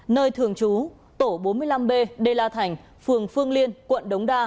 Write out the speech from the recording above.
nơi thường trú tổ bốn mươi năm b đê la thành phường phương liên quận đống đa